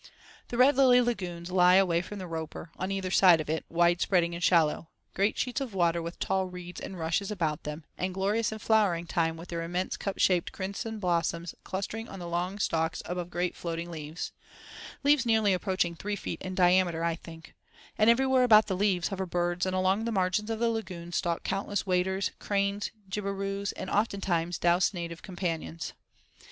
The Red Lily lagoons lie away from the Roper, on either side of it, wide spreading and shallow—great sheets of water with tall reeds and rushes about them, and glorious in flowering time with their immense cup shaped crimson blossoms clustering on long stalks above great floating leaves—leaves nearly approaching three feet in diameter I think; and everywhere about the leaves hover birds and along the margins of the lagoons stalk countless waders, cranes, jabiroos, and oftentimes douce native companions.